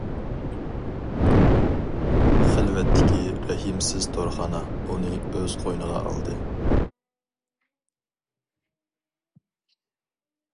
خىلۋەتتىكى رەھىمسىز تورخانا ئۇنى ئۆز قوينىغا ئالدى.